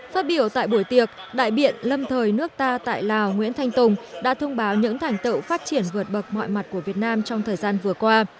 phát biểu tại buổi tiệc đại biện lâm thời nước ta tại lào nguyễn thanh tùng đã thông báo những thành tựu phát triển vượt bậc mọi mặt của việt nam trong thời gian vừa qua